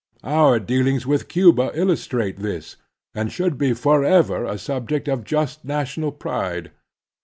Our dealings with Cuba illustrate this, and should be forever a subject of just national pride.